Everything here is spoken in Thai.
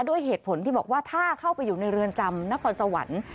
ด้วยเหตุผลที่บอกว่าถ้าเข้าไปอยู่ในเรือนจำนครสวรรค์